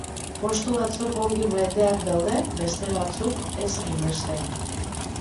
Postu batzuk ongi beteak daude, beste batzuk ez hainbeste.